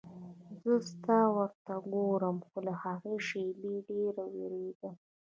زه ستا ور ته ګورم خو له هغې شېبې ډېره وېرېدم.